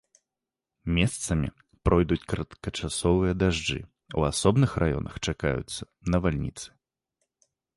Месцамі пройдуць кароткачасовыя дажджы, у асобных раёнах чакаюцца навальніцы.